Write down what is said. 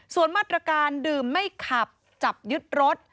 ส่วนมาตรการดื่มไม่ขับจับยึดรถ